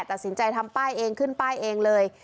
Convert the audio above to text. ตัดสินใจทำป้ายเองขึ้นป้ายเองเลย